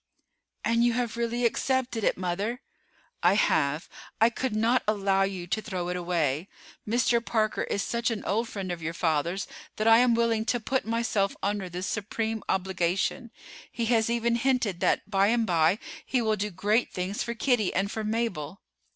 "And you have really accepted it, mother?" "I have. I could not allow you to throw it away. Mr. Parker is such an old friend of your father's that I am willing to put myself under this supreme obligation. He has even hinted that by and by he will do great things for Kitty and for Mabel."